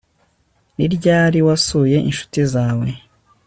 Ni ryari wasuye inshuti zawe